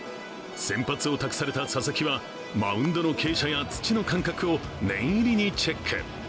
先発を託された佐々木はマウンドの傾斜や土の感覚を念入りにチェック。